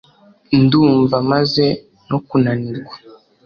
ndumva maze no kunanirwa